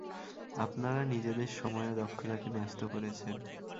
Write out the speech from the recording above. আপনারা নিজেদের সময় ও দক্ষতাকে ন্যস্ত করেছেন।